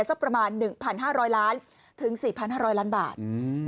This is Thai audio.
สักประมาณ๑๕๐๐ล้านถึง๔๕๐๐ล้านบาท